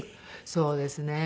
そうですね。